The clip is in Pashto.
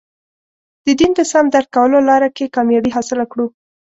د دین د سم درک کولو لاره کې کامیابي حاصله کړو.